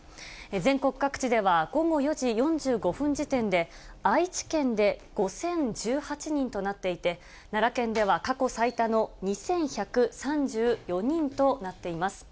全国各地では午後４時４５分時点で、愛知県で５０１８人となっていて、奈良県では過去最多の２１３４人となっています。